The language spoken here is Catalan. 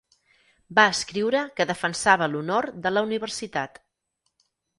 Va escriure que defensava l'honor de la universitat.